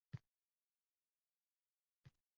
birortasini ko‘rsatmasliging ham mumkin.